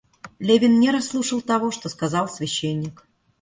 Левин не расслушал того, что сказал священник.